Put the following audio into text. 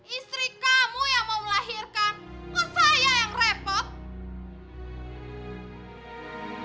istri kamu yang mau ngelahirkan